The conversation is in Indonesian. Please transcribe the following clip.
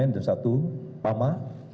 dan satu pama